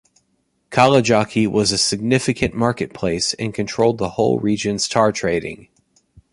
Kalajoki was a significant market place and controlled the whole region's tar trading.